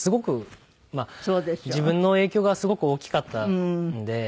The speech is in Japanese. まあ自分の影響がすごく大きかったので。